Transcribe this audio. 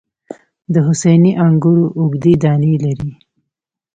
د حسیني انګور اوږدې دانې لري.